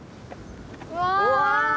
うわ！